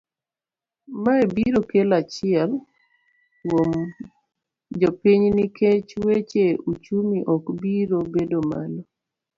Mae biro kelo achiel, kuom jopiny nikech weche uchumi ok biro bedo malo.